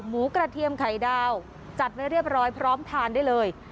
หมูกระเทียมไข่ดาวจัดไว้เรียบร้อยพร้อมทานได้เลย